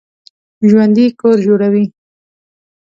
ژوندي کور جوړوي